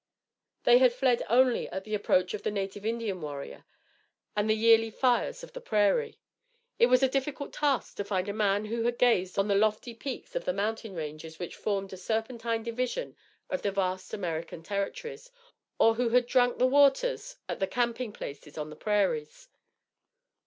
They had fled only at the approach of the native Indian warrior and the yearly fires of the prairie. It was a difficult task to find a man who had gazed on the lofty peaks of the mountain ranges which formed a serpentine division of the vast American Territories, or who had drank the waters at the camping places on the prairies.